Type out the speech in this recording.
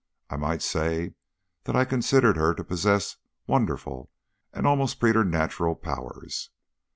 I might say that I considered her to possess wonderful, and almost preternatural powers.